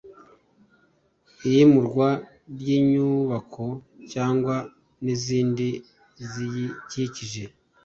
iyimurwa ry inyubako cyangwa nizindi ziyikikije